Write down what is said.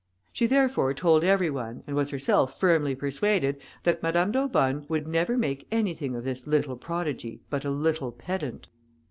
She therefore told every one, and was herself firmly persuaded that Madame d'Aubonne "would never make anything of this little prodigy but a little pedant."